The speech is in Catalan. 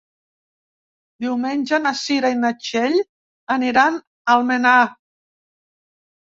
Diumenge na Cira i na Txell aniran a Almenar.